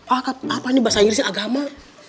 ah apa ini bahasa inggrisnya agama